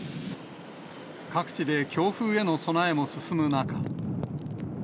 各地で強風への備えも進む中。